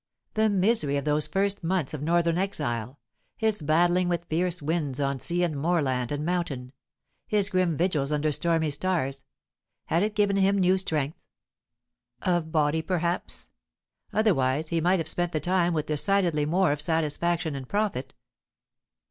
The misery of those first months of northern exile his battling with fierce winds on sea and moorland and mountain, his grim vigils under stormy stars had it given him new strength? Of body perhaps; otherwise, he might have spent the time with decidedly more of satisfaction and profit.